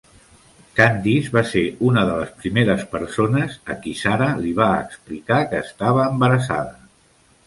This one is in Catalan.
Candice va ser una de les primeres persones a qui Sarah li va explicar que estava embarassada.